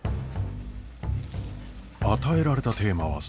与えられたテーマはサラダ。